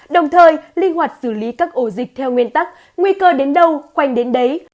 đồng thời linh hoạt xử lý các ổ dịch theo nguyên tắc nguy cơ đến đâu khoanh đến đấy